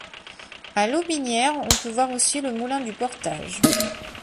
À Lotbinière, on peut voir aussi le Moulin du Portage.